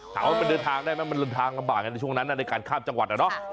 ถามว่ามันเดินทางได้ไหมมันเดินทางลำบากกันในช่วงนั้นในการข้ามจังหวัดอะเนาะ